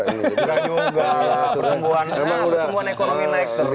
kemudian ekonomi naik terus